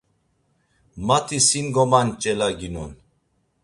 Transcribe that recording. Mati sin gomanç̌elaginon.